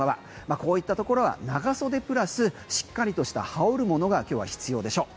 こういったところは長袖プラスしっかりとした羽織るものが今日は必要でしょう。